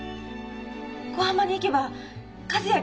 小浜に行けば和也